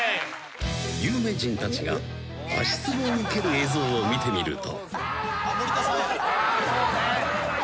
［有名人たちが足つぼを受ける映像を見てみると］